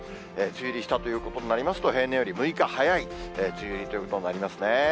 梅雨入りしたということになりますと、平年より６日早い梅雨入りということになりますね。